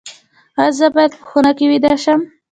ایا زه باید په خونه کې ویده شم؟